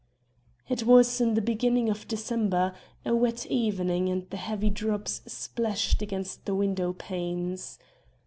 It was in the beginning of December; a wet evening and the heavy drops splashed against the window panes.